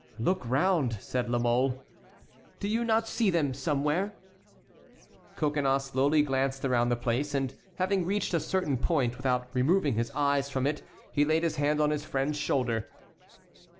"Look round," said La Mole, "do you not see them somewhere?" Coconnas slowly glanced around the place, and, having reached a certain point, without removing his eyes from it he laid his hand on his friend's shoulder.